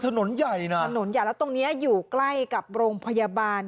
ถนนใหญ่น่ะถนนใหญ่แล้วตรงเนี้ยอยู่ใกล้กับโรงพยาบาล